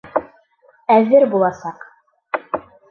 Әҙер буласаҡ!